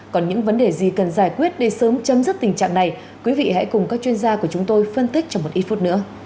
còn những vấn đề gì cần giải quyết để sớm chấm dứt tình trạng này quý vị hãy cùng các chuyên gia của chúng tôi phân tích trong một ít phút nữa